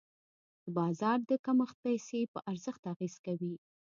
د بازار د کمښت پیسې په ارزښت اغېز کوي.